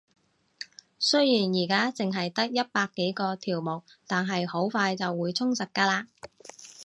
雖然而家淨係得一百幾個條目，但係好快就會充實㗎喇